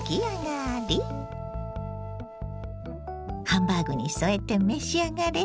ハンバーグに添えて召し上がれ。